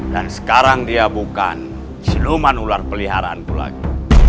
dan sekarang dia bukan siluman ular peliharaanku lagi